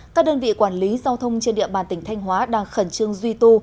các đơn vị quản lý giao thông trên địa bàn tỉnh thanh hóa đang khẩn trương duy tu